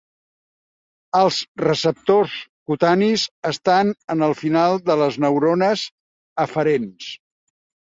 Els receptors cutanis estan en el final de les neurones aferents.